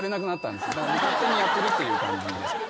勝手にやってるっていう感じ。